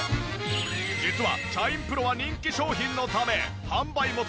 実はシャインプロは人気商品のため販売元